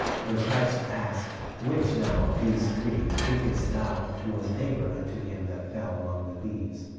When Christ asked, "Which now of these three, thinkest thou, was neighbor unto him that fell among the thieves?"